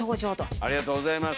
ありがとうございます。